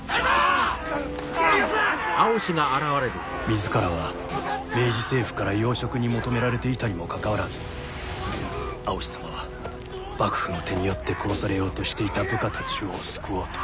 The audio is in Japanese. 自らは明治政府から要職に求められていたにもかかわらず蒼紫様は幕府の手によって殺されようとしていた部下たちを救おうと。